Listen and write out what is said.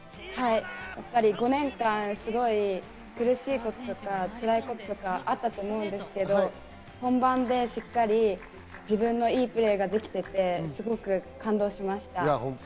５年間、苦しいこととか、つらいこととかあったと思うんですけど、本番でしっかり自分のいいプレーができていて、すごく感動しました。